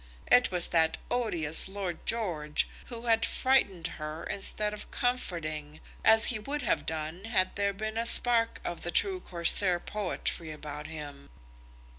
It was that odious Lord George who had frightened her, instead of comforting, as he would have done had there been a spark of the true Corsair poetry about him.